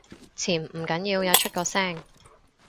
潛唔緊要，有出過聲